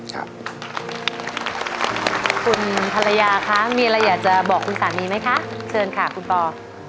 คุณภรรยาคะมีอะไรอยากจะบอกคุณสามีไหมคะเชิญค่ะคุณปอ